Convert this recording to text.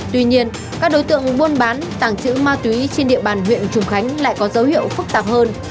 tuy nhiên các đối tượng buôn bán tàng trữ ma túy trên địa bàn huyện trùng khánh lại có dấu hiệu phức tạp hơn